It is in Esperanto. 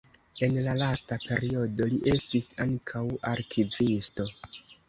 En la lasta periodo li estis ankaŭ arkivisto.